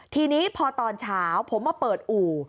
ทีนี้พอตอนเช้าผมมาเปิดอู่